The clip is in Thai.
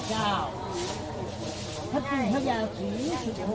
สวัสดีทุกคน